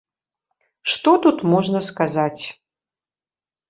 Што тут можна сказаць?